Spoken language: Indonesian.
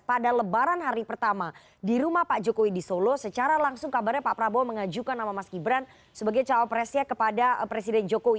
pada lebaran hari pertama di rumah pak jokowi di solo secara langsung kabarnya pak prabowo mengajukan nama mas gibran sebagai cawapresnya kepada presiden jokowi